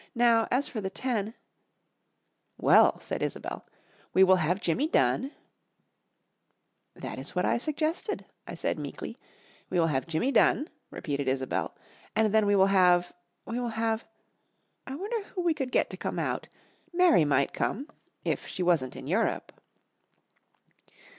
"Now as for the ten " "Well," said Isobel, "we will have Jimmy Dunn " "That is what I suggested," I said meekly. "We will have Jimmy Dunn," repeated Isobel, "and then we will have we will have I wonder who we could get to come out. Mary might come, if she wasn't in Europe."